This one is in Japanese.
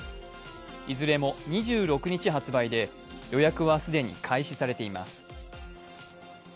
いずれも２６日発売で、予約は既に開始されています。